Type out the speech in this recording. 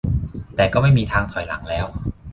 แต่ก็ไม่มีทางถอยหลังแล้ว